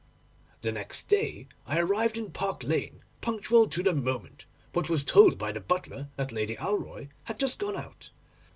'The next day I arrived at Park Lane punctual to the moment, but was told by the butler that Lady Alroy had just gone out.